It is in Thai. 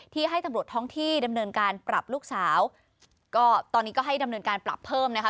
ให้ตำรวจท้องที่ดำเนินการปรับลูกสาวก็ตอนนี้ก็ให้ดำเนินการปรับเพิ่มนะคะ